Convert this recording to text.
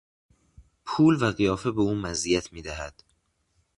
پول و قیافه به او مزیت میدهد.